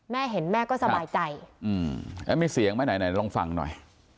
แม่เห็นแม่ก็สบายใจอืมแล้วมีเสียงไหมไหนไหนลองฟังหน่อย